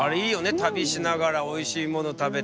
旅しながらおいしいもの食べて。